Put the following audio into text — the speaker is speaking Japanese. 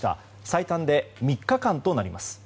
最短で３日間となります。